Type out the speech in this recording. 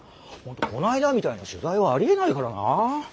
本当こないだみたいな取材はありえないからな。